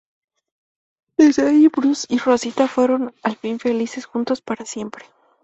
Desde ahí Bruce y Rosita fueron al fin felices juntos para siempre.